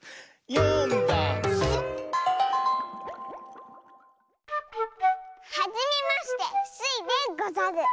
「よんだんす」はじめましてスイでござる。